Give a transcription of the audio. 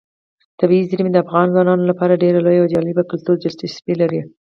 طبیعي زیرمې د افغان ځوانانو لپاره ډېره لویه او جالب کلتوري دلچسپي لري.